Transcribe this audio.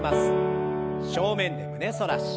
正面で胸反らし。